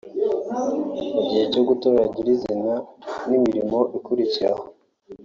mu gihe cyo gutora nyirizina n’imirimo ikurikiraho